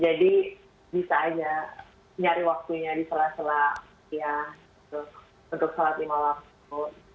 jadi bisa aja nyari waktunya di sela sela untuk sholat lima waktu